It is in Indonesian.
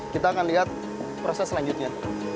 kita akan lihat proses selanjutnya